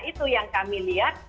itu yang kami lihat